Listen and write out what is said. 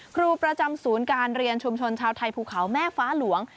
ครูประจำศูนย์การเรียนชุมชนชาวไทยภูเขาแม่ฟ้าหลวง